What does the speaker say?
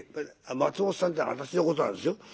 松本さんって私のことなんですよ。